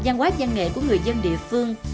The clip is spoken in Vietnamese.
giang quát giang nghệ của người dân địa phương